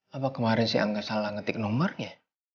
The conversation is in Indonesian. apa kemarin si angga salah ngetik nomernya